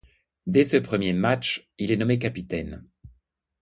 Dès ce premier match, il est nommé capitaine.